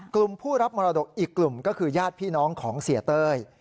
กลุ่มผู้รับมรดกอีกกลุ่มก็คือญาติพี่น้องของเสียเต้ย